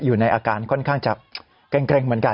อยู่ในอาการค่อนข้างจะเกร็งเหมือนกัน